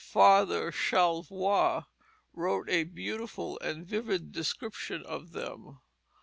Father Charlevoix wrote a beautiful and vivid description of them.